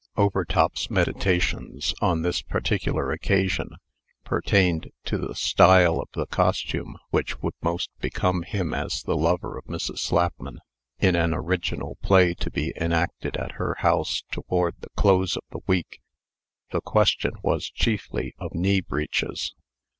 Overtop's meditations, on this particular occasion, pertained to the style of the costume which would most become him as the lover of Mrs. Slapman, in an original play to be enacted at her house toward the close of the week. The question was chiefly of knee breeches.